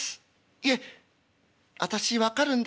いえ私分かるんです。